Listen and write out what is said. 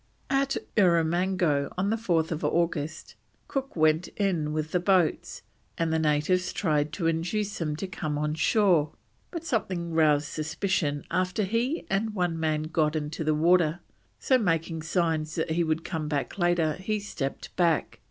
At Erromango, on 4th August, Cook went in with the boats, and the natives tried to induce them to come on shore, but something roused suspicion after he and one man had got into the water, so, making signs that he would come back later, he stepped back.